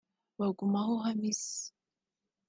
Bagumaho Hamisi